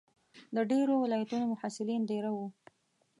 د ډېرو ولایتونو محصلین دېره وو.